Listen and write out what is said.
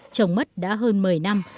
chồng mất đã hơn một mươi năm